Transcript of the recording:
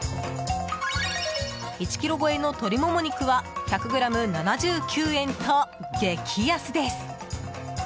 １ｋｇ超えの鶏モモ肉は１００ｇ７９円と激安です。